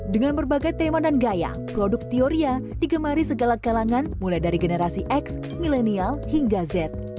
dengan berbagai tema dan gaya produk teoria digemari segala kalangan mulai dari generasi x milenial hingga z